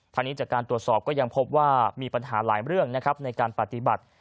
ทางนี้จากการตรวจสอบก็ยังพบว่ามีปัญหาหลายเรื่องนะครับในการปฏิบัติ